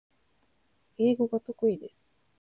英語が得意です